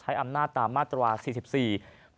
ใช้อำนาจตามมาตรวจ๔๔